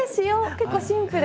結構シンプル。